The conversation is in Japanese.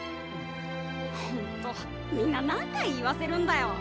ほんとみんな何回言わせるんだよ。